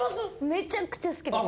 めちゃくちゃ好きです。